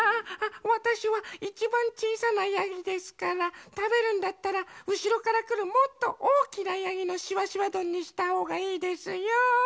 わたしはいちばんちいさなヤギですからたべるんだったらうしろからくるもっとおおきなヤギのしわしわどんにしたほうがいいですよ。